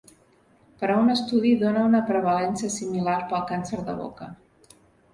Però un estudi dóna una prevalença similar pel càncer de boca.